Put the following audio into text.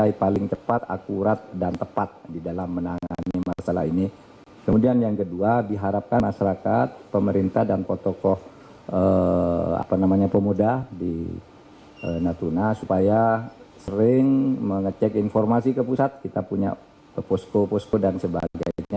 yang itu sebenarnya dipuji